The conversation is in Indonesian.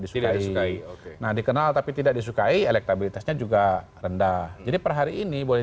disukai nah dikenal tapi tidak disukai elektabilitasnya juga rendah jadi per hari ini boleh